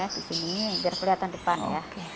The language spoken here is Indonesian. di sini biar kelihatan depan ya